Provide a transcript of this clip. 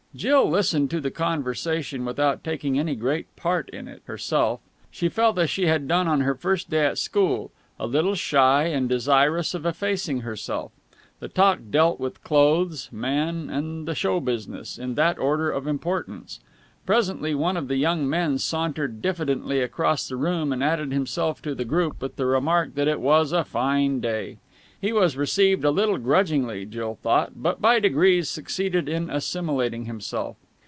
Jill listened to the conversation without taking any great part in it herself. She felt as she had done on her first day at school, a little shy and desirous of effacing herself. The talk dealt with clothes, men, and the show business, in that order of importance. Presently one of the young men sauntered diffidently across the room and added himself to the group with the remark that it was a fine day. He was received a little grudgingly, Jill thought, but by degrees succeeded in assimilating himself.